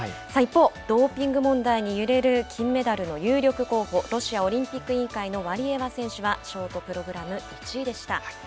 一方ドーピング問題に揺れる金メダルの有力候補、ロシアオリンピック委員会のワリエワ選手はショートプログラム１位でした。